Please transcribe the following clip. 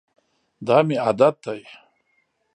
دا مي عادت دی .